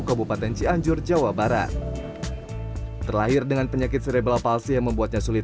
kabupaten cianjur jawa barat terlahir dengan penyakit serebel palsi yang membuatnya sulit